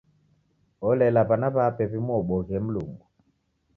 Olela w'ana w'ape w'imuobuoghe Mlungu.